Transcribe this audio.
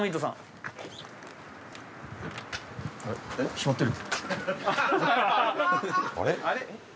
閉まってる？